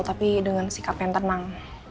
tapi dengan sikap yang tenang